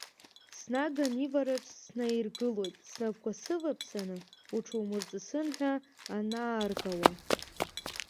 Снаган ивараҿ снаиргылоит, снапқәа сываԥсаны, уҽумырҵысын ҳәа аанаргауа.